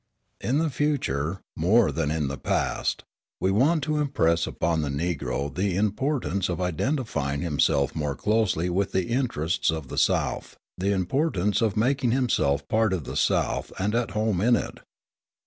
In the future, more than in the past, we want to impress upon the Negro the importance of identifying himself more closely with the interests of the South, the importance of making himself part of the South and at home in it.